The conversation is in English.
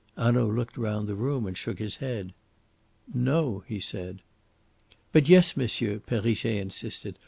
Hanaud looked round the room and shook his head. "No," he said. "But yes, monsieur," Perrichet insisted.